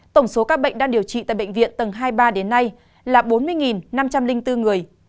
tổng số ca bệnh đang điều trị tại bệnh viện tầng hai mươi ba đến nay là bốn mươi năm trăm linh bốn người